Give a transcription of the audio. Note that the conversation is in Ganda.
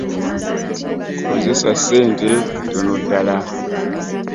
Kozesa ssente ntono ddala.